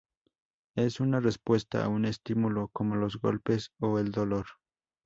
Es una respuesta a un estímulo como los golpes o el dolor.